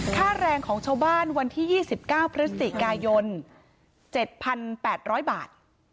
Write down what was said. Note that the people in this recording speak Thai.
ค่าแรงของชาวบ้านวันที่ยี่สิบเก้าพฤษฎีกายนเจ็ดพันแปดร้อยบาท